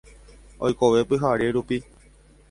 Oikove pyhare rupi.